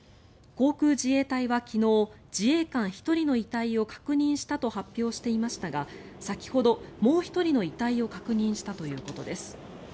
航空自衛隊は昨日自衛官１人の遺体を確認したと発表していましたが先ほど、もう１人の遺体を確認したということです。